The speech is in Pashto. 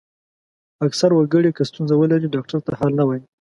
اکثره وګړي که ستونزه ولري ډاکټر ته حال نه وايي.